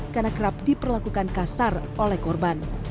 karena kerap diperlakukan kasar oleh korban